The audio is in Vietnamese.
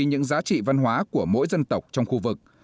những giá trị văn hóa của mỗi dân tộc trong khu vực